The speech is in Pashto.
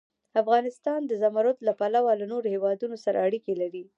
افغانستان د زمرد له پلوه له نورو هېوادونو سره اړیکې لري.